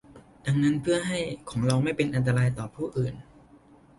ดังนั้นเพื่อให้ ของเราไม่เป็นอันตรายต่อผู้อื่น